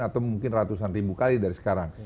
atau mungkin ratusan ribu kali dari sekarang